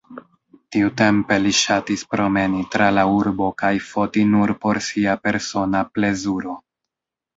Tiutempe li ŝatis promeni tra la urbo kaj foti nur por sia persona plezuro.